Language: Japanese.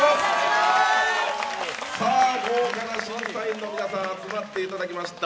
豪華な審査員の皆さん集まっていただきました